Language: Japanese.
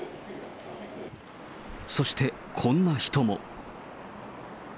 そして、こんな人も。